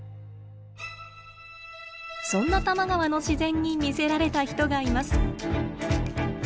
そんな多摩川の自然に魅せられた人がいます。